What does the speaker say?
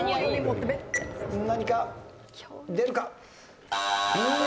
何か出るか？